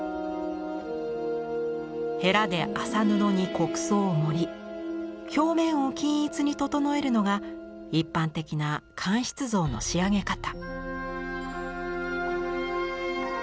ヘラで麻布に木屎を盛り表面を均一に整えるのが一般的な乾漆像の仕上げ方。